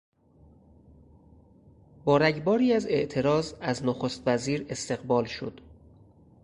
با رگباری از اعتراض از نخستوزیر استقبال شد.